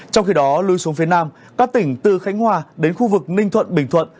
trong khi đó lui xuống phía nam các tỉnh từ khánh hòa đến khu vực ninh thuận bình thuận